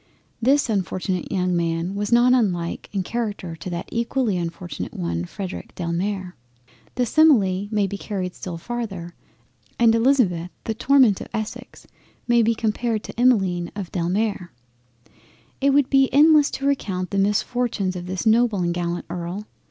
This unfortunate young Man was not unlike in character to that equally unfortunate one Frederic Delamere. The simile may be carried still farther, and Elizabeth the torment of Essex may be compared to the Emmeline of Delamere. It would be endless to recount the misfortunes of this noble and gallant Earl.